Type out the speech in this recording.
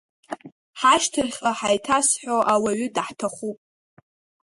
Ҳашьҭахьҟа ҳаиҭазҳәо ауаҩы даҳҭахуп!